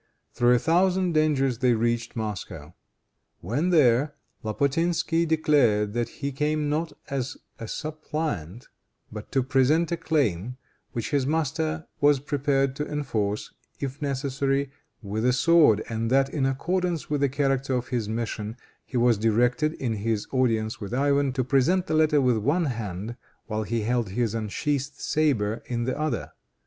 Through a thousand dangers they reached Moscow. When there, Lapotinsky declared that he came not as a suppliant, but to present a claim which his master was prepared to enforce, if necessary, with the sword, and that, in accordance with the character of his mission, he was directed, in his audience with Ivan, to present the letter with one hand while he held his unsheathed saber in the other.